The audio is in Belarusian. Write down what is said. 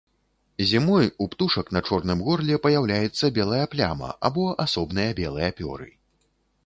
Зімой у птушак на чорным горле паяўляецца белая пляма або асобныя белыя пёры.